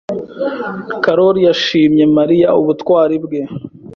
Karoli yashimye Mariya ubutwari bwe.